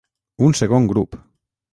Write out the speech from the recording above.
Un segon grup.